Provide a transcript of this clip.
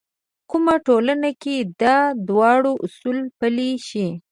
کومه ټولنه کې دا دواړه اصول پلي شي.